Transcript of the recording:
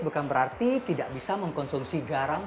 bukan berarti tidak bisa mengkonsumsi garam